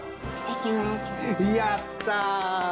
やった！